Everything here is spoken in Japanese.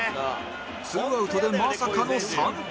２アウトでまさかの三盗